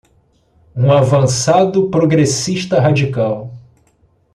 Um avançado progressista radical